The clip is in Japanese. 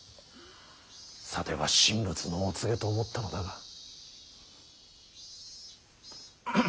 さては神仏のお告げと思ったのだが。